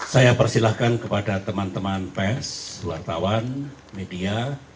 saya persilahkan kepada teman teman pes wartawan media